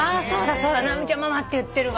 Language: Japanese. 直美ちゃんママって言ってるわ。